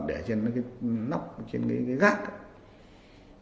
để trên cái nán nhân